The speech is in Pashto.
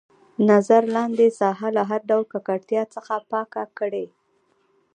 نظر لاندې ساحه له هر ډول ککړتیا څخه پاکه کړئ.